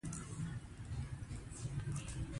شيخ الإسلام ابن القيّم رحمه الله